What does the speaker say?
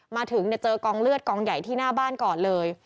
มาถึงเจอกองเลือดกองใหญ่ที่หน้าบ้านก่อนเลย